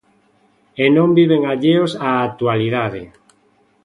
E non viven alleos á actualidade.